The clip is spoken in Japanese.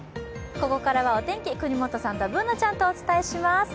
ここからはお天気、國本さんとＢｏｏｎａちゃんとお伝えします。